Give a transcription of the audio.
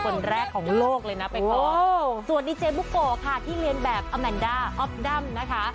คนแรกของโลกเลยนะไปโก้ส่วนดีเจบุโกค่ะที่เรียนแบบอแมนด้าออฟดัมนะคะ